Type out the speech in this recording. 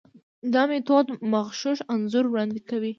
دا میتود مغشوش انځور وړاندې کوي.